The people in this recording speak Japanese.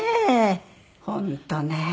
本当ね。